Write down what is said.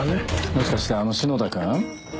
もしかしてあの篠田君？